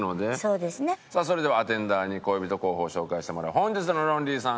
さあそれではアテンダーに恋人候補を紹介してもらう本日のロンリーさん